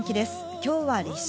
今日は立春。